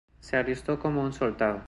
Se alistó como un soldado.